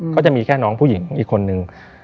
ก็จะมีแค่น้องผู้หญิงอีกคนนึง